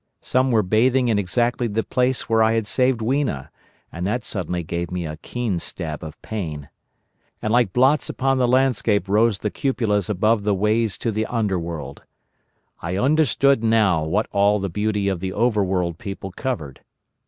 Some were bathing in exactly the place where I had saved Weena, and that suddenly gave me a keen stab of pain. And like blots upon the landscape rose the cupolas above the ways to the Underworld. I understood now what all the beauty of the Overworld people covered.